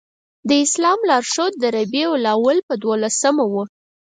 د اسلام لار ښود د ربیع الاول په دولسمه و.